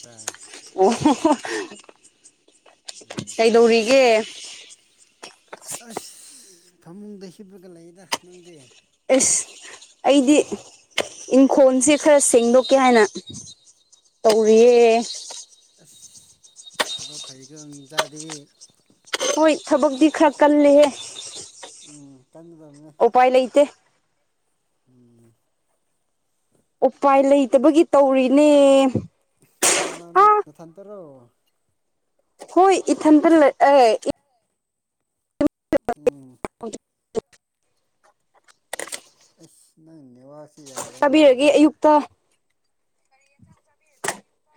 ꯇ [unintelligible] ꯑꯣ [unintelligible] ꯀꯩꯗꯧꯔꯤꯒꯦ [unintelligible] ꯑꯁ ꯐꯃꯨꯡꯗ ꯍꯤꯞꯄꯒ ꯂꯩꯌꯦꯗ ꯅꯪꯗꯤ ꯑꯦꯁ ꯑꯩꯗꯤ ꯏꯪꯈꯣꯜꯁꯦ ꯈꯔ ꯁꯦꯡꯗꯣꯛꯀꯦ ꯍꯥꯏꯅ ꯇꯧꯔꯤꯌꯦ ꯑꯁ ꯊꯕꯛ ꯐꯩꯒ ꯃꯤꯗꯥꯗꯤ ꯍꯣꯏ ꯊꯕꯛꯇꯤ ꯈꯔ ꯀꯜꯂꯦꯍꯦ ꯎꯝ ꯀꯟꯒꯗꯕꯅꯦ ꯎꯄꯥꯏ ꯂꯩꯇ‌ꯦ ꯎꯝ ꯎꯄꯥꯏ ꯂꯩꯇꯕꯒꯤ ꯇꯧꯔꯤꯅꯦ ꯀꯅꯥꯀꯅꯥꯅ‌ꯣ ꯑꯥ ꯅꯊꯟꯇꯔꯣ ꯍꯣꯏ ꯏꯊꯟꯇ ꯂꯩ ꯑ‌ꯦ ꯎꯝ [unintelligible] ꯑꯁ ꯅꯪ ꯅꯦꯋꯥꯁꯤꯦ ꯌꯥꯗ ꯇꯥꯕꯤꯔꯒꯦ ꯃꯥꯜꯂ‌ꯦꯗ ꯑꯌꯨꯛꯇ ꯀꯔꯤ ꯌꯦꯟꯁꯥꯡ ꯆꯥꯕꯤꯔꯒꯦ ꯑꯌꯨꯛꯇ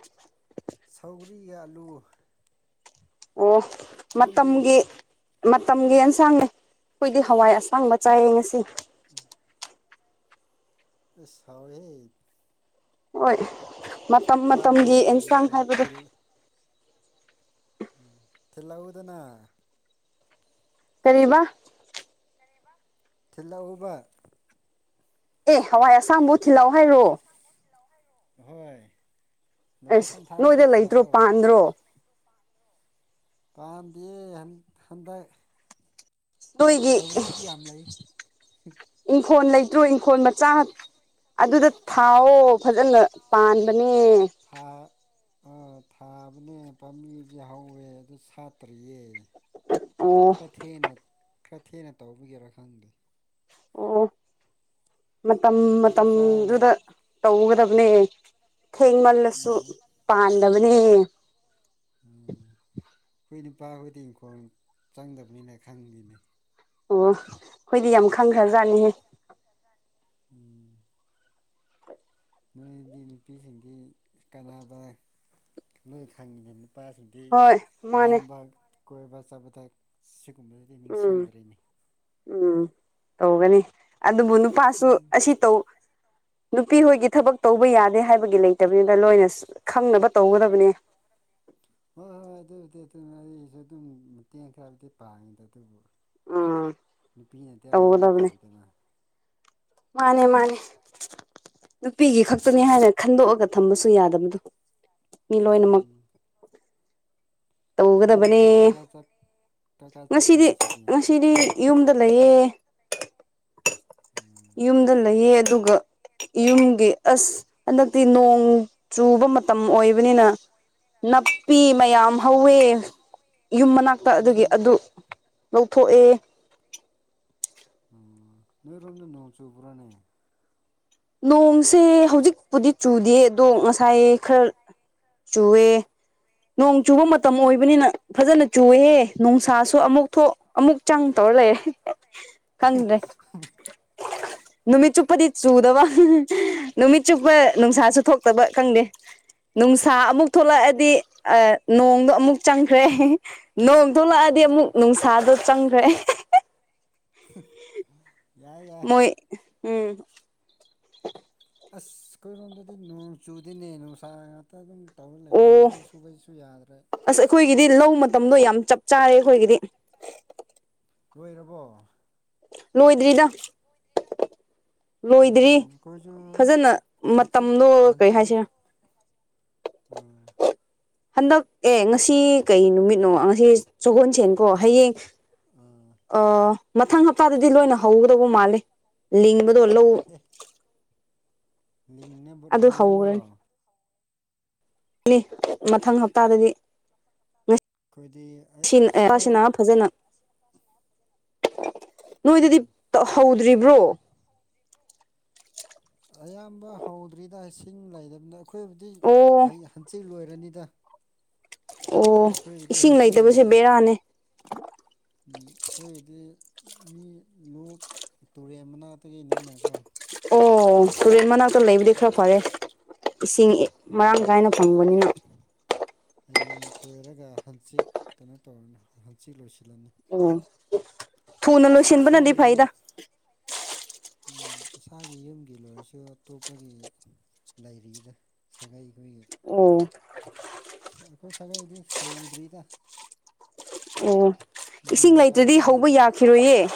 ꯁꯧꯒꯔꯤ ꯑꯥꯜꯂꯨ ꯑꯣ ꯅꯪꯗꯤ ꯃꯇꯝꯒꯤ ꯃꯇꯝꯒꯤ ꯑꯦꯟꯁꯥꯡꯅꯦ ꯑꯩꯈꯣꯏꯗꯤ ꯍꯋꯥꯏ ꯑꯁꯥꯡꯕ ꯆꯥꯏꯌꯦ ꯉꯁꯤ ꯎꯝ ꯑꯁ ꯍꯥꯎꯏꯍ‌ꯦ ꯍꯣꯏ ꯃꯇꯝ ꯆꯥꯕ ꯃꯇꯝꯒꯤ ꯐꯪꯗ꯭ꯔꯤꯅꯦ ꯑꯦꯟꯁꯥꯡ ꯑꯗꯣ ꯍꯥꯏꯕꯗ‌ꯣ ꯊꯤꯜ ꯎꯝ ꯊꯜꯂꯛꯎꯗꯅ ꯀꯔꯤꯕ ꯊꯤꯜꯂꯣꯛꯑ‌ꯣꯕ ꯑꯦ ꯍꯋꯥꯏ ꯑꯁꯥꯕꯨ ꯊꯤꯜꯂꯛꯑꯣ ꯍꯥꯏꯔꯣ ꯍꯣꯏ ꯑꯁ ꯂꯀꯦꯁꯟ ꯅꯣꯏꯗ ꯊꯥꯔꯛꯀ‌ꯦ ꯊꯤꯜꯂꯛ ꯂꯩꯇ꯭ꯔꯣ ꯑꯣ ꯄꯥꯟꯗ꯭ꯔꯣ ꯄꯥꯝꯗꯦ ꯍꯟꯗꯛ ꯅ‌ꯣꯏꯒꯤ ꯁꯧꯒ꯭ꯔꯤꯗꯤ ꯌꯥꯝ ꯂꯩ ꯏꯪꯈꯣꯜ ꯂꯩꯇ꯭ꯔꯣ ꯏꯪꯈꯣꯜ ꯃꯆꯥ ꯑꯗꯨꯗ ꯊꯥꯎꯋ‌ꯣ ꯐꯖꯅ ꯄꯥꯟꯕꯅꯦ ꯊꯥ ꯑꯥ ꯊꯥꯕꯅꯦ ꯄꯥꯝꯕꯤꯗꯤ ꯍꯧꯋꯦ ꯑꯗꯨ ꯁꯥꯠꯇ꯭ꯔꯤꯌꯦ ꯑꯣ ꯈꯔ ꯊꯦꯡꯅ ꯈꯔ ꯊꯦꯡꯅ ꯇꯧꯕꯒꯤꯦꯔ ꯈꯪꯗꯦ ꯑꯣ ꯃꯇꯝ ꯍꯧꯖꯤꯛ ꯆꯥꯔꯤꯁꯦ ꯃꯇꯝꯗꯨꯗ ꯇꯧꯒꯗꯕꯅꯦ ꯊꯦꯡꯃꯜꯂꯁꯨ ꯎꯝ ꯄꯥꯟꯗꯕꯅꯦ ꯎꯝ ꯍꯈꯣꯏ ꯅꯨꯄꯥꯈꯣꯏꯗꯤ ꯏꯪꯈꯣꯜ ꯆꯪꯗꯕꯅꯤꯅ ꯈꯪꯗꯦꯅꯦ ꯑꯣ ꯑꯩꯈꯣꯏꯗꯤ ꯌꯥꯝ ꯈꯪꯈ꯭ꯔꯖꯥꯠꯅꯤꯍꯦ ꯎꯝ ꯅꯣꯏꯗꯤ ꯅꯨꯄꯤꯁꯤꯡꯗꯤ ꯀꯅꯕ ꯅꯣꯏ ꯈꯪꯉꯤꯗ ꯅꯨꯄꯥꯁꯤꯡ ꯑꯩ ꯍꯣꯏ ꯃꯥꯅꯦ ꯂꯥꯝꯕ ꯀꯣꯏꯕ ꯆꯥꯕꯗ ꯁꯤꯒꯨꯝꯕꯗꯗꯤ ꯎꯝ ꯅꯤꯡꯁꯤꯡꯗ꯭ꯔꯤꯅꯤ ꯎꯝ ꯇꯧꯒꯅꯤ ꯑꯗꯨꯕꯨ ꯅꯨꯄꯥꯁꯨ ꯎꯝ ꯑꯁꯤ ꯇꯧ ꯅꯨꯄꯤ ꯍꯣꯏꯒꯤ ꯊꯕꯛ ꯇꯧꯕ ꯌꯥꯗꯦ ꯍꯥꯏꯕꯒꯤ ꯂꯩꯇꯕꯅꯤꯅ ꯂꯣꯏꯅ ꯈꯪꯅꯕ ꯇꯧꯒꯗꯕꯅꯦ ꯍꯣꯏ ꯍꯣꯏ ꯑꯗꯨꯕꯨꯗꯤ ꯑꯗꯨꯅ ꯑꯩꯁꯨ ꯑꯗꯨꯝ ꯃꯇꯦꯡ ꯈ꯭ꯔꯕꯨꯗꯤ ꯄꯥꯡꯉꯤꯗ ꯑꯗꯨꯕꯨ ꯎꯝ ꯅꯨꯄꯤꯅꯗꯤ ꯑꯌꯥꯝꯕ ꯇꯧꯒꯗꯕꯅꯦ ꯇꯧꯋꯤꯗꯅ ꯃꯥꯅꯦ ꯃꯥꯅꯦ ꯅꯨꯄꯤꯒꯤ ꯉꯁꯤ ꯈꯛꯇꯅꯤ ꯅꯪ ꯍꯥꯏꯅ ꯈꯟꯗꯣꯛꯑꯒ ꯊꯝꯕꯁꯨ ꯌꯥꯗꯕꯗꯣ ꯃꯤ ꯂꯣꯏꯅꯃꯛ ꯎꯝ ꯅꯪ ꯇꯧꯒꯗꯕꯅꯦ ꯉꯁꯤ ꯀꯥꯏ ꯀꯥꯏ ꯆꯠ ꯀꯥꯏ ꯀꯥꯏ ꯆꯠꯀꯦ ꯉꯁꯤꯗꯤ ꯉꯁꯤꯗꯤ ꯌꯨꯝꯗ ꯂꯩꯌꯦ ꯎꯝ ꯌꯨꯝꯗ ꯂꯩꯌꯦ ꯑꯗꯨꯒ ꯌꯨꯝꯒꯤ ꯑꯁ ꯍꯟꯗꯛꯇꯤ ꯅꯣꯡ ꯆꯨꯕ ꯃꯇꯝ ꯑꯣꯏꯕꯅꯤꯅ ꯅꯥꯞꯄꯤ ꯑꯦ ꯃꯌꯥꯝ ꯍꯧꯋꯦ ꯌꯨꯝ ꯃꯅꯥꯛꯇ ꯑꯗꯨꯒꯤ ꯅꯣꯏꯔꯣꯝ ꯑꯗꯨ ꯂꯧꯊꯣꯛꯑꯦ ꯎ ꯅꯣꯏꯔꯣꯝꯗ ꯅꯣꯡ ꯆꯨꯕ꯭ꯔꯥꯅꯦ ꯅꯣꯡꯁꯦ ꯍꯧꯖꯤꯛꯄꯨꯗꯤ ꯆꯨꯗꯦ ꯑꯗꯣ ꯉꯁꯥꯏ ꯈꯔ ꯆꯨꯋꯦ ꯅꯣꯡ ꯆꯨꯕ ꯃꯇꯝ ꯃꯇꯝ ꯑꯣꯏꯕꯅꯤꯅ ꯐꯖꯅ ꯆꯨꯑꯦꯍꯦ ꯅꯨꯡꯁꯥꯁꯨ ꯑꯃꯨꯛ ꯊꯣꯛ ꯑꯃꯨꯛ ꯆꯪ ꯇꯧꯔ ꯂꯩꯌꯦ ꯑ ꯅꯨꯃꯤ ꯆꯨꯄꯗꯤ ꯆꯨꯗ ꯋꯥ ꯅꯨꯃꯤꯠ ꯆꯨꯞꯄ ꯅꯨꯡꯁꯥꯁꯨ ꯊꯣꯛꯇꯕ ꯈꯪꯗꯦ ꯅꯨꯡꯁꯥ ꯑꯃꯨꯛ ꯊꯣꯛꯂꯛꯑꯗꯤ ꯅꯣꯡꯗꯣ ꯑꯃꯨꯛ ꯆꯪꯈ꯭ꯔꯦ ꯅꯣꯡ ꯊꯣꯛꯂꯛꯑꯗꯤ ꯑꯃꯨꯛ ꯅꯨꯡꯁꯥꯗꯣ ꯆꯪꯈ꯭ꯔꯦ [unintelligible] ꯃꯣꯏ ꯎꯝ ꯑꯁ ꯑꯩꯈꯣꯏꯔꯣꯝꯗꯗꯤ ꯅꯣꯡ ꯆꯨꯗꯤꯅꯦ ꯅꯨꯡꯁꯥ ꯉꯥꯛꯇ ꯑꯗꯨꯝ ꯇꯧꯅ ꯂꯩꯅꯦ ꯑꯣ ꯂꯧ ꯁꯨꯕꯩꯁꯨ ꯌꯥꯗ꯭ꯔꯦ ꯑꯁ ꯑꯩꯈꯣꯏꯒꯤꯗꯤ ꯂꯧ ꯃꯇꯝꯗꯣ ꯌꯥꯝ ꯆꯞ ꯆꯥꯔꯦ ꯑꯩꯈꯣꯏꯒꯤꯗꯤ ꯂꯣꯏꯔꯕꯣ ꯅꯣꯏꯗ꯭ꯔꯤꯗ ꯎ ꯀꯈꯣꯏꯁꯨ ꯐꯖꯅ ꯍꯧꯖꯤꯤ ꯃꯇꯝꯗꯣ ꯀꯩ ꯍꯧꯥꯟꯖꯤꯤ ꯂꯨ ꯍꯥꯏꯁꯤꯔꯥ ꯑꯝ ꯍꯟꯗꯛ ꯑꯦ ꯉꯁꯤ ꯀꯩ ꯅꯨꯃꯤꯠꯅꯣ ꯉꯁꯤ ꯁꯒꯣꯜꯁꯦꯟꯀꯣ ꯍꯌꯦꯡ ꯑꯥ ꯑ ꯃꯊꯪ ꯍꯞꯇꯥꯗꯗꯤ ꯂꯣꯏꯅ ꯍꯧꯒꯗꯧꯕ ꯃꯥꯜꯂꯦ ꯂꯤꯡꯕꯗꯣ ꯂꯧ ꯑꯗꯨ ꯂꯤꯡꯕꯣꯔꯣ ꯍꯧꯈ꯭ꯔꯅꯤ ꯃꯊꯪ ꯍꯞꯇꯥꯗꯤ ꯑꯩꯈꯣꯏꯗꯤ ꯉꯁꯤ ꯑꯁꯤ ꯄꯁꯤꯅꯥ ꯋꯥꯏꯗ ꯐꯖꯅ ꯎꯝ ꯅꯣꯏꯗꯗꯤ ꯍꯧꯗ꯭ꯔꯤꯕ꯭ꯔꯣ ꯑꯌꯥꯝꯕ ꯍꯧꯗ꯭ꯔꯤꯗ ꯏꯁꯤꯡ ꯂꯩꯕꯅꯤꯅ ꯑꯩꯈꯣꯏꯕꯨꯗꯤ ꯍ ꯑꯣ ꯁꯟꯆꯤ ꯂꯣꯏꯔꯅꯤꯗ ꯑꯣ ꯑꯩꯈꯣꯏꯒꯤꯗꯤ ꯏꯁꯤꯡ ꯍꯟꯆꯤꯜ ꯂꯩꯇꯕꯁꯦ ꯂꯣꯏꯔꯅꯤ ꯕꯦꯔꯥꯅꯦ ꯎꯝ ꯑꯩꯈꯣꯏꯒꯤꯗꯤ ꯃꯤ ꯂꯣꯛ ꯇꯨꯔꯦꯟ ꯃꯅꯥꯛꯇꯒꯤꯅꯤꯅꯀꯣ ꯑꯣ ꯇꯨꯔꯦꯟ ꯃꯅꯥꯛꯇ ꯂꯩꯕꯨꯗꯤ ꯈꯔ ꯐꯔꯦ ꯏꯁꯤꯡ ꯃꯔꯥꯡ ꯍꯌꯦꯡ ꯀꯥꯏꯅ ꯐꯪꯕꯅꯤꯅ ꯍꯌꯦꯡ ꯈꯣꯏꯔꯒ ꯍꯪꯆꯤꯛ ꯀꯩꯅꯣ ꯇꯧꯔꯅꯤ ꯍꯟꯆꯤꯛ ꯂꯣꯏꯁꯤꯜꯂꯝꯅꯤ ꯑꯣ ꯊꯨꯅ ꯂꯣꯏꯁꯤꯟꯕꯅꯗꯤ ꯏꯁꯥꯒꯤ ꯌꯨꯝ ꯐꯩꯗ ꯎꯝ ꯏꯁꯥꯒꯤ ꯌꯨꯝꯒꯤ ꯂꯣꯏꯔꯁꯨ ꯑꯇꯣꯞꯄꯒꯤ ꯂꯩꯔꯤꯗ ꯁꯥꯒꯩ ꯑꯩꯈꯣꯏꯒꯤ ꯑꯣ ꯑ [unintelligible] ꯑꯩꯈꯣꯏ ꯁꯥꯒꯩꯗꯤ ꯍꯧꯗ꯭ꯔꯤꯗ ꯑꯣ ꯅꯣꯡ ꯇꯥꯕ ꯉꯥꯏꯔꯤꯅꯤ ꯆꯨꯏꯌꯦ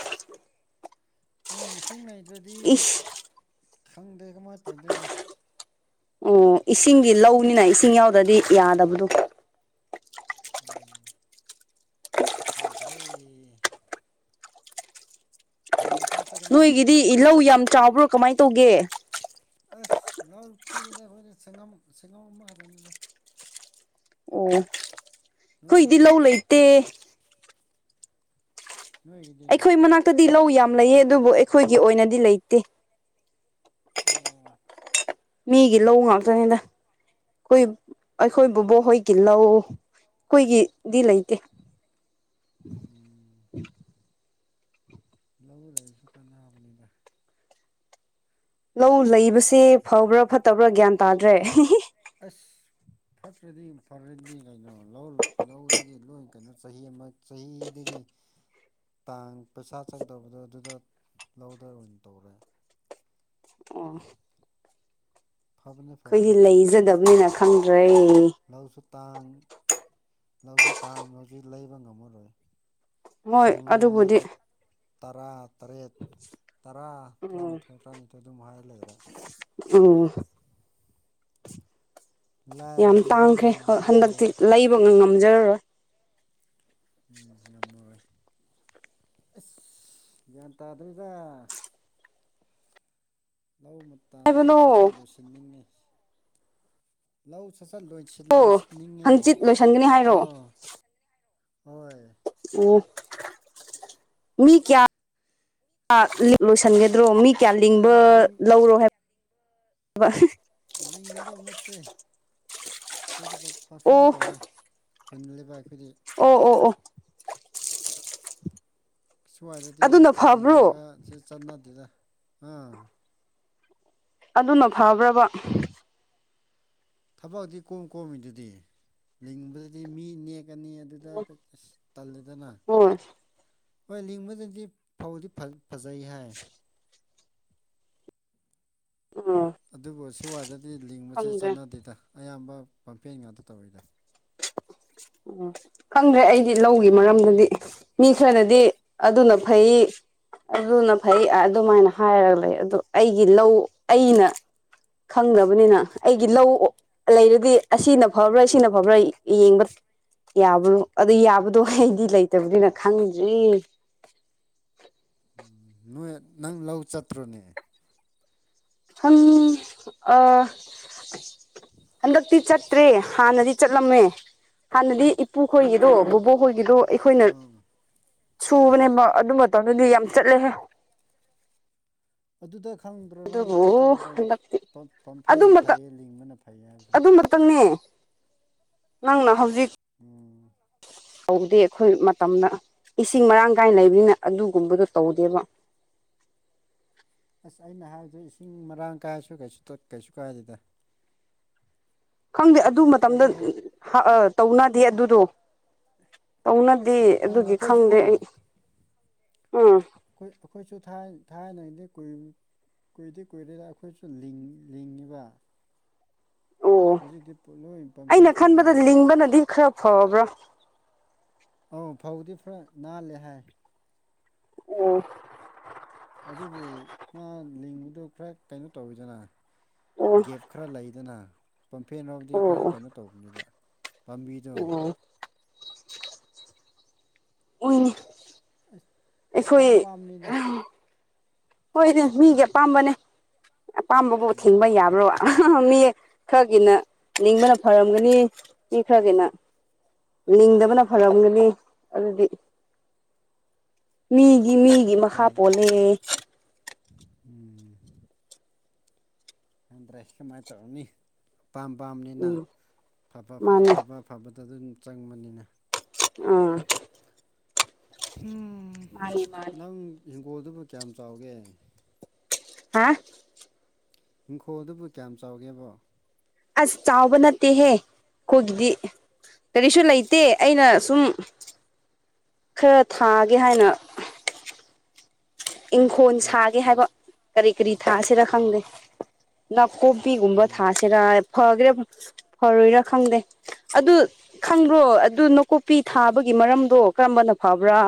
ꯎꯝ ꯏꯁꯤꯡ ꯂꯩꯩꯗ꯭ꯔꯗꯤ ꯏꯁ ꯈꯪꯗꯦ ꯀꯃꯥꯏꯅ ꯇꯧꯗꯣꯏꯔꯣ ꯎꯝ ꯏꯁꯤꯡꯒꯤ ꯂꯧꯅꯤꯅ ꯏꯁꯤꯡ ꯌꯥꯎꯗ꯭ꯔꯗꯤ ꯌꯥꯗꯕꯗꯣ ꯎꯝ ꯈꯪꯇꯔꯦ ꯍꯔꯤꯡꯪꯀ [unintelligible] ꯆꯠ ꯅꯣꯏꯒꯤꯗꯤ ꯏꯜꯍꯧ ꯌꯥꯝ ꯆꯥꯎꯕ꯭ꯔꯣ ꯀꯃꯥꯏꯅ ꯇꯧꯒꯦ ꯑꯁ ꯂꯥꯎ ꯄꯤꯛꯏꯗ ꯑꯩꯈꯣꯏꯅ ꯁꯪꯉꯝ ꯁꯪꯉꯝ ꯑꯃ ꯈꯛꯇꯅꯤꯗ ꯑꯣ ꯅꯣꯏꯗꯤ ꯑꯈꫭꯏꯗꯤ ꯂꯧ ꯂꯩꯇꯦ ꯅꯣꯏꯒꯤꯗꯤ ꯑꯩꯈꯣꯏ ꯃꯅꯥꯛꯇꯗꯤ ꯂꯧ ꯌꯥꯝ ꯂꯩꯌꯦ ꯑꯗꯨꯕꯨ ꯑꯩꯈꯣꯏꯒꯤ ꯑꯣꯏꯅꯗꯤ ꯂꯩꯇꯦ ꯎꯝ ꯃꯤꯒꯤ ꯂꯧ ꯉꯥꯛꯇꯅꯤꯗ ꯑꯩꯈꯣꯏ ꯑꯩꯈꯣꯏꯕꯨꯕꫭꯛ ꯍꯣꯏꯒꯤ ꯂꯧ ꯑꯩꯈꯣꯏꯒꯤꯗꯤ ꯂꯩꯇꯦ ꯎꯝ ꯂꯧ ꯂꯩꯔꯁꯨ ꯀꯥꯟꯕꯅꯤꯗ ꯂꯧ ꯂꯩꯕꯁꯦ ꯐꯕ꯭ꯔꯥ ꯐꯠꯇꯕ꯭ꯔꯥ ꯒ꯭ꯌꯥꯟ ꯇꯥꯗ꯭ꯔꯦ ꯑꯁ ꯐꯠꯇ꯭ꯔꯗꯤ ꯐꯔꯗꯤ ꯀꯩꯅꯣ ꯂꯧ ꯂꯧꯗꯒꯤ ꯂꯣꯏ ꯀꯩꯅꯣ ꯆꯍꯤ ꯑꯃ ꯆꯍꯤꯗꯒꯤ ꯇꯥꯡ ꯄꯩꯁꯥ ꯆꯠꯀꯗꯧꯕꯗꯣ ꯑꯗꯨꯗ ꯂꯧꯗ ꯑꯣꯏꯅ ꯇꯧꯔꯦ [unintelligible] ꯐꯕꯅꯦ ꯑꯩꯈꯣꯏꯗꯤ ꯐꯕꯅꯦ ꯂꯩꯖꯗꯕꯅꯤꯅ ꯈꯪꯗ꯭ꯔꯦ ꯂꯧꯁꯨ ꯇꯥꯡ ꯂꯧꯁꯨ ꯇꯥꯡꯕ ꯍꯧꯖꯤꯛ ꯂꯩꯕ ꯉꯝꯃꯔꯣꯏ ꯍꯣꯏ ꯁꯪꯉꯝ ꯑꯗꯨꯕꯨꯗꯤ ꯑꯃꯗ ꯇꯔꯥ ꯇꯔꯦꯠ ꯇꯔꯥ ꯎꯝ ꯇꯔꯥꯃꯥꯊꯣꯏ ꯇꯔꯥꯅꯤꯊꯣꯏ ꯑꯗꯨꯝ ꯍꯥꯏꯔ ꯂꯩꯔ‌ꯦ ꯎꯝ ꯌꯥꯝ ꯂꯥꯏꯔꯕꯗꯤ ꯑꯗꯨꯝ ꯇꯥꯡꯈ꯭ꯔꯦ ꯍꯟꯗꯛꯇꯤ ꯂꯥꯏꯔꯅꯤ ꯂꯩꯕ ꯉꯝꯖꯔꯔꯣꯏ ꯎꯝ ꯉꯝꯃꯔꫭꯏ ꯑꯁ ꯒ꯭ꯌꯥꯟ ꯇꯥꯗꯔ‌ꯦꯗ ꯂꯧ ꯃꯇꯥꯡ ꯂꯧ ꯍꯥꯏꯕꯅꯣ ꯁꯠꯆꯠ ꯂꯣꯏꯁꯤꯟꯅꯤꯡꯉꯤ ꯂꯧ ꯁꯠꯆꯠ ꯂꯣꯏꯁꯤ ꯑꯣ ꯂꯣꯏꯁꯤꯟꯅꯤꯡꯉꯦ ꯍꯪꯆꯤꯠ ꯂꯣꯏꯁꯤꯟꯒꯅꯤ ꯍꯥꯏꯔꯣ ꯑꫭ ꯍꯣꯏ ꯑꯣ ꯃꯤ ꯀꯌꯥ ꯂꯣꯏꯁꯤꯟꯒꯗ꯭ꯔꯣ ꯃꯤ ꯑꯩ ꯀꯌꯥꯜꯂꯤꯡꯕ ꯂꯤꯡ ꯂꯧꯔꯣ ꯍꯥꯏꯕ ꯂꯤꯡꯒꯗꯕ ꯅꯠꯇꯦ ꯑꯩꯈꯣꯏꯗꯤ ꯕꯐꯦꯟ ꯑꯣ ꯇꯧꯋꯦ ꯍꯨꯟꯂꯦꯕ ꯑꯩꯈꯣꯏꯗꯤ ꯑꯣ ꯑꯣ ꯑꯣ ꯁ꯭ꯋꯥꯏꯗꯗꯤ ꯑꯗꯨꯅ ꯐꯕ꯭ꯔꯣ ꯂꯤꯡꯕꯁꯦ ꯆꯠꯅꯗꯦꯗ ꯍꯥ ꯑꯗꯨꯅ ꯐꯕ꯭ꯔꯥꯕ ꯊꯕꯛꯗꯤ ꯀꯣꯝ ꯀꯣꯝꯃꯤꯗꯨꯗꯤ ꯂꯤꯡꯕꯗꯨꯗꯤ ꯃꯤ ꯅꯦꯛꯀꯅꯤ ꯑꯗꯨꯗꯁ ꯇꯜꯂꯦꯗꯅ ꯍꯣꯏ ꯍꯣꯏ ꯂꯤꯡꯕꯅꯗꯤ ꯐꯧꯗꯤ ꯐꯖꯩ ꯍꯥꯏ ꯎꯝ ꯑꯗꯨꯕꯨ ꯁꯋꯥꯏꯗꯗꯤ ꯂꯤꯡꯕꯁꯦ ꯈꯪꯗ꯭ꯔꯦ ꯆꯠꯅꯗꯦꯗ ꯑꯌꯥꯝꯕ ꯄꯝꯐꯦꯟ ꯉꯥꯛꯇ ꯇꯧꯋꯤꯗ ꯎꯝ ꯈꯪꯗ꯭ꯔꯦ ꯑꯩꯗꯤ ꯂꯧꯒꯤ ꯅꯣꯏꯔꯣꯝꯗꯗꯤ ꯃꯔꯝꯗꯗꯤ ꯃꯤ ꯈꯔꯅꯗꯤ ꯑꯗꯨꯅ ꯐꯩ ꯑꯗꯨꯅ ꯐꯩ ꯑꯗꯨꯃꯥꯏꯅ ꯍꯥꯏꯔꯒ ꯂꯩ ꯑꯗꯨ ꯑꯩꯒꯤ ꯂꯧ ꯑꯩꯅ ꯈꯪꯗꯔꯕꯅꯤꯅ ꯑꯩꯒꯤ ꯂꯧ ꯂꯩꯔꯗꯤ ꯑꯁꯤꯅ ꯐꯕ꯭ꯔꯥ ꯁꯤꯅ ꯐꯕ꯭ꯔꯥ ꯌꯦꯡꯕ ꯌꯥꯕꯅꯣ ꯑꯗꯣ ꯌꯥꯕꯗꯣ ꯑꯩꯗꯤ ꯂꯩꯇꯕꯅꯤꯅ ꯈꯪꯗ꯭ꯔꯤ ꯎꯝ ꯅꯣꯏ ꯅꯪ ꯂꯧ ꯆꯠꯇ꯭ꯔꯣꯅꯦ ꯍꯝ ꯑꯥ ꯍꯟꯗꯛꯇꯤ ꯆꯠꯇ꯭ꯔꯦ ꯍꯥꯟꯅꯗꯤ ꯆꯠꯂꯝꯃꯦ ꯍꯥꯟꯅꯗꯤ ꯑꯗꯨ ꯏꯄꯨꯈꯣꯏꯒꯤꯗꯣ ꯆꯠ ꯕꯣꯕꯣꯛ ꯈꯣꯏꯒꯤꯗꯣ ꯑꯩꯈꯣꯏꯅ ꯑꯥ ꯁꯨꯕꯅꯦꯕ ꯑꯗꯨ ꯃꯇꯝꯗꯨꯗꯤ ꯌꯥꯝ ꯆꯠꯂꯦꯍꯦ ꯑꯗꯨꯗ ꯈꯪꯗ꯭ꯔꯣ ꯅꯪ ꯑꯗꯨꯕꯨ ꯂꯧꯆꯕꯗ ꯍꯟꯗꯛꯇꯤ ꯄꯝꯐꯦꯟꯅ ꯐꯩꯌꯦ ꯂꯤꯡꯕꯅ ꯐꯩꯌꯦ ꯍꯥꯏꯕꯗꯨ ꯑꯃꯇꯪꯅꯦ ꯅꯪꯅ ꯍꯧꯖꯤꯛ ꯎꯝ ꯇꯧꯗꯦ ꯑꯩꯈꯣꯏ ꯃꯇꯝꯅ ꯏꯁꯤꯡ ꯃꯔꯥꯡ ꯀꯥꯏꯅ ꯂꯩꯕꯅꯤꯅ ꯑꯗꯨꯒꯨꯝꯕꯗꯣ ꯇꯧꯗꯦꯕ ꯑꯁ ꯑꯩꯅ ꯍꯥꯏꯕꯗꯣ ꯏꯁꯤꯡ ꯃꯔꯥꯡ ꯀꯥꯏꯁꯨ ꯀꯩꯁꯨ ꯇꯥ ꯀꯩꯁꯨ ꯀꯥꯏꯗꯦꯗ ꯈꯪꯗꯦ ꯑꯗꯨ ꯃꯇꯝꯗ ꯇꯧꯅꯗꯦ ꯑꯗꯨꯗꯣ ꯇꯧꯅꯗꯤ ꯑꯗꯨꯒꯤ ꯑꯩꯈꯣꯏꯁꯨꯀꯣ ꯈꯪꯗꯦ ꯑꯩ ꯎꯝ ꯑꯩꯈꯣꯏ ꯑꯩꯈꯣꯏꯁꯨ ꯊꯥꯏꯅ ꯊꯥꯏꯅꯗꯤ ꯀꯨꯏ ꯀꯨꯏꯗꯤ ꯀꯨꯏꯔꯦꯗ ꯑꯩꯈꯣꯏꯁꯨ ꯂꯤꯡ ꯂꯤꯡꯉꯤꯕ ꯑꯣ ꯍꯧꯖꯤꯛꯇꯤ ꯂꯣꯏ ꯄꯝꯐꯦꯟ ꯑꯩꯅ ꯈꯟꯕꯗ ꯇꯧꯅꯔꯦꯕ ꯂꯤꯡꯕꯅꯗꯤ ꯈꯔ ꯐꯕ꯭ꯔꯥ ꯑꯥ ꯐꯧꯗꯤ ꯄꯨꯔꯥ ꯅꯥꯜꯂꯦ ꯍꯥꯏ ꯑꯣ ꯑꯗꯨꯕꯨ ꯃꯥ ꯂꯤꯡꯕꯗꯨꯣ ꯈꯔ ꯀꯩꯅꯣ ꯇꯧꯋꯤꯗꯅ ꯑꯣ ꯒꯦꯞ ꯈꯔ ꯂꯩꯗꯅ ꯄꯝꯐꯦꯟ ꯅꯥꯕꯨꯗꯤ ꯑꯣ ꯑꯣ ꯈꯔ ꯀꯩꯅꯣ ꯇꯧꯕꯅꯦꯕ ꯄꯥꯝꯕꯤꯗꯣ ꯑꯣ ꯑꯣꯏꯅꯦ ꯑꯁ ꯑꯩꯈꯣꯏ ꯍꯣꯏꯗ ꯃꯤꯒꯤ ꯑꯄꯥꯝꯕꯅꯦ ꯑꯄꯥꯝꯕꯕꯨ ꯎꯝ ꯊꯤꯡꯕ ꯌꯥꯕ꯭ꯔꯣ ꯃꯤ ꯈꯔꯒꯤꯅ ꯅꯤꯡꯕꯅ ꯐꯔꯝꯒꯅꯤ ꯃꯤ ꯈꯔꯒꯤꯅ ꯂꯤꯡꯗꯕꯅ ꯐꯔꯝꯒꯅꯤ ꯑꯗꯨꯗꯤ ꯃꯤꯒꯤ ꯃꯤꯒꯤ ꯃꯈꯥ ꯍꯣꯏ ꯄꯣꯜꯂꯦ ꯎꯝ ꯈꯪꯗ꯭ꯔꯦ ꯁꯨꯃꯥꯏꯟ ꯇꯧꯔꯅꯤ ꯑꯄꯥꯝ ꯄꯥꯝꯅꯤꯅ ꯎꯝ ꯐꯕ ꯃꯥꯅꯦ ꯑꯐꯕ ꯑꯐꯕꯗꯣ ꯑꯗꯨꯝ ꯆꯪꯕꯅꯤꯅ ꯑꯥ ꯃꯥꯅꯦ ꯃꯥꯅꯦ ꯅꯪ ꯏꯪꯒꯣꯜꯗꯨꯕꯨ ꯀꯌꯥꯝ ꯆꯥꯎꯒꯦ ꯍꯥ ꯏꯪꯈꯣꯜ ꯑꯗꯨꯕꯨ ꯀꯌꯥꯝ ꯆꯥꯎꯒꯦꯕꯣ ꯑꯁ ꯆꯥꯎꯕ ꯅꯠꯇꯦꯍꯦ ꯑꯩꯈꯣꯏꯒꯤꯗꯤ ꯀꯔꯤꯁꯨ ꯂꯩꯇꯦ ꯑꯩꯅ ꯁꯨꯝ ꯈꯔ ꯊꯥꯒꯦ ꯍꯥꯏꯅ ꯏꯪꯈꯣꯜ ꯀꯩ ꯁꯥꯒꯦ ꯀꯩ ꯍꯥꯏꯕ ꯀꯔꯤ ꯀꯔꯤ ꯊꯥꯁꯤꯔ ꯈꯪꯗꯦ ꯅꯥꯀꯣꯄꯤꯒꯨꯝꯕ ꯎꯝ ꯊꯥꯁꯤꯔ ꯐꯒꯦꯔꯥ ꯐꯔꯣꯏꯔꯥ ꯈꯪꯗꯦ ꯑꯗꯨ ꯈꯪꯕ꯭ꯔꯣ ꯑꯗꯨ ꯅꯥꯀꯨꯞꯄꯤ ꯊꯥꯕꯒꯤ ꯃꯔꯝꯗꯣ ꯀꯔꯝꯕꯅ ꯐꯕ꯭ꯔꯥ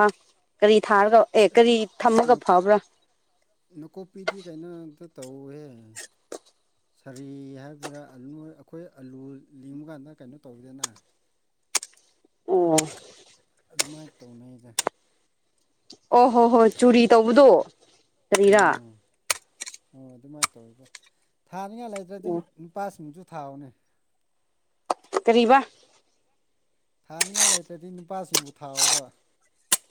ꯀꯔꯤ ꯊꯥꯔꯒ ꯑꯦ ꯑꯁ ꯀꯔꯤ ꯊꯝꯃꯒ ꯅꯥ ꯐꯕ꯭ꯔꯥ ꯅꯥꯀꯨꯞꯄꯤꯗꯤ ꯀꯩꯅꯣ ꯑꯝꯇ ꯇꯧꯍꯦ ꯁꯥꯔꯤ ꯍꯥꯏꯕ꯭ꯔꯥ ꯑꯂꯨ ꯑꯩꯈꯣꯏ ꯑꯂꯨ ꯂꯤꯡꯕ ꯀꯥꯟꯗ ꯀꯩꯅꯣ ꯇꯧꯋꯤꯗꯅ ꯑꯣ ꯑꯗꯨꯃꯥꯏꯟ ꯇꯧꯅꯩꯗ ꯑꯣ ꯍꯣ ꯍꯣꯏ ꯆꯨꯔꯤ ꯇꯧꯕꯗꯣ ꯀꯔꯤꯔꯥ ꯎꯝ ꯑꯣ ꯑꯗꯨꯃꯥꯏꯅ ꯇꯧꯔꯤꯕ ꯊꯥꯅꯤꯡꯉꯥꯏ ꯂꯩꯇ꯭ꯔꯗꯤ ꯑꯣ ꯅꯨꯄꯥꯁꯤꯡꯖꯨ ꯊꯥꯎꯑꯣꯅꯦ ꯀꯔꯤꯕꯥ ꯊꯥꯅꯤꯡꯉꯥꯏ ꯂꯩꯇ꯭ꯔꯗꯤ ꯅꯨꯄꯥꯁꯤꯡꯕꯨ ꯊꯥꯑꯣꯕ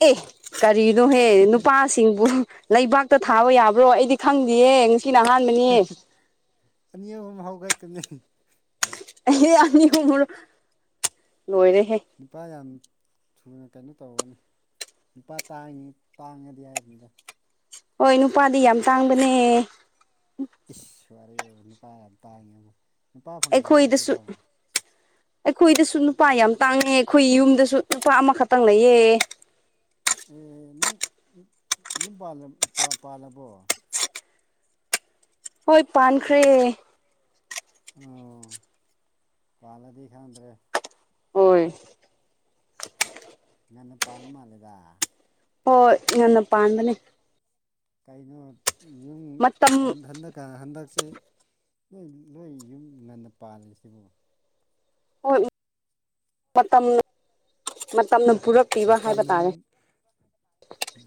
ꯑꯦ ꯀꯔꯤꯅꯣꯍꯦ ꯅꯨꯄꯥꯁꯤꯡꯕꯨ ꯂꯩꯕꯥꯛꯇ ꯊꯥꯕ ꯌꯥꯕ꯭ꯔꯣ ꯑꯩꯗꯤ ꯈꯪꯗꯦꯌꯦ ꯉꯁꯤꯅ ꯑꯍꯥꯟꯕꯅꯤ ꯑꯅꯤ ꯑꯍꯨꯝ ꯍꯧꯒꯠꯀꯅꯤ ꯑꯩ ꯌꯥꯅꯤ ꯍꯨꯝꯉꯨꯔꯣ ꯂꯣꯏꯔꯦꯍꯦ ꯅꯨꯄꯥ ꯌꯥꯝ ꯊꯨꯅ ꯀꯩꯅꯣ ꯇꯧꯒꯅꯤ ꯅꯨꯨꯄꯥ ꯇꯥꯡꯉꯅꯤ ꯇꯥꯡꯉꯗꯤ ꯍꯥꯏꯕꯅꯤꯗ ꯍꯣꯏ ꯅꯨꯄꯥꯗꯤ ꯌꯥꯝ ꯇꯥꯡꯕꯅꯦ ꯏꯁ ꯋꯥꯔꯤ ꯅꯨꯄꯥ ꯌꯥꯝ ꯇꯥꯡꯉꯦ ꯑꯃꯨ ꯑꯩꯈꯣꯏꯗꯁꯨ ꯑꯩꯈꯣꯏꯗꯁꯨ ꯅꯨꯄꯥ ꯌꯥꯝ ꯇꯥꯡꯉꯦ ꯑꯩꯈꯣꯏ ꯌꯨꯝꯗꯁꯨ ꯅꯨꯄꯥ ꯑꯃꯈꯛꯇꯪ ꯂꯩꯌꯦ ꯑꯦ ꯅꯪ ꯌꯨꯝ ꯄꯥꯜꯂꯕꯣ ꯍꯣꯏ ꯄꯥꯟꯈ꯭ꯔꯦ ꯑꯣ ꯄꯥꯂꯗꯤ ꯈꯥꯟꯗ꯭ꯔꯦ ꯍꯣꯏ ꯉꯟꯅ ꯄꯥꯜ ꯃꯥꯜꯂꯦꯗ ꯍꯣꯏ ꯉꯟꯅ ꯄꯥꯟꯕꯅꯦ ꯀꯩꯅꯣ ꯌꯨꯝ ꯃꯇꯝ ꯍꯟ ꯍꯟꯗꯛ ꯍꯟꯗꯛꯁꯦ ꯅꯣꯏ ꯂꯣꯏ ꯌꯨꯝ ꯉꯟꯅ ꯄꯥꯜꯂꯤꯁꯤꯕꯨ ꯍꯣꯏ ꯃꯇꯝ ꯃꯇꯝꯅ ꯄꯨꯔꯛꯄꯤꯕ ꯍꯥꯏꯕ ꯇꯥꯔꯦ ꯎ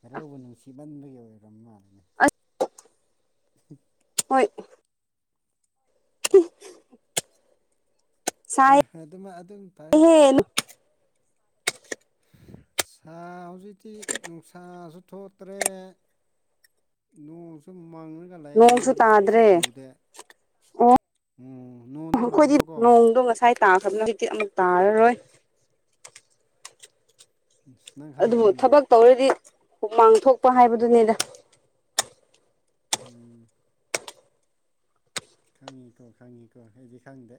ꯍꯦꯔꯣꯏꯕꯨ ꯅꯨꯡꯁꯤꯕꯟꯕꯒꯤ ꯑꯣꯏꯔꯝ ꯃꯥꯜꯂꯤꯅꯦ [unintelligible] [unintelligible] ꯍꯣꯏ [unintelligible] ꯍꯣꯏ ꯍꯣꯏ ꯑꯗꯨꯃ ꯑꯗꯨꯝ ꯇꯥꯏ ꯁꯥꯏꯍꯦ ꯁꯥ ꯍꯧꯖꯤꯛꯇꯤ ꯅꯨꯡꯁꯥꯁꯨ ꯊꯣꯛꯇ꯭ꯔꯦ ꯅꯣꯡꯁꯨ ꯃꯥꯡꯉꯒ ꯂꯥꯛꯑꯦ ꯅꯣꯡꯁꯨ ꯅꯣꯡꯗꯤꯁꯨꯨ ꯇꯥꯗ꯭ꯔꯦ ꯆꯨꯗꯦ ꯑꯣ ꯎ ꯅꯣꯡꯗꯤ ꯃꯪꯕꯒꯣ ꯇꯥꯈꯕꯅꯖꯤꯛꯇꯗꯤ ꯑꯃꯨꯛ ꯇꯥꯔꯔꯣꯏ [unintelligible] ꯑꯗꯨ ꯊꯕꯛ ꯇꯧꯔꯗꯤ ꯍꯃꯥꯡ ꯊꯣꯛꯄ ꯍꯥꯏꯕꯗꯨꯅꯤꯗ [unintelligible] ꯈꯪꯉꯤꯀꯣ ꯈꯪꯉꯤꯀꯣ ꯑꯩꯗꯤ ꯈꯪꯗꯦ